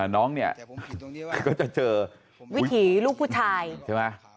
น้องเนี่ยก็จะเจอวิถีลูกผู้ชาย